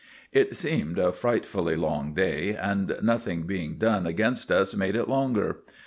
It seemed a frightfully long day, and nothing being done against us made it longer.